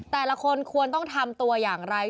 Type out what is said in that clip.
แต่ละคนควรต้องทำตัวอย่างไร